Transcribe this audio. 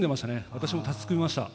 私も立ちすくみました。